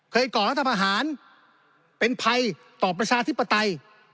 ก่อรัฐประหารเป็นภัยต่อประชาธิปไตย